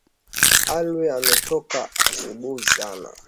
Alwi ametoka asubuhi sana.